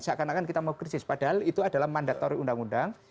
seakan akan kita mau krisis padahal itu adalah mandatori undang undang